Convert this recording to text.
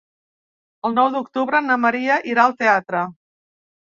El nou d'octubre na Maria irà al teatre.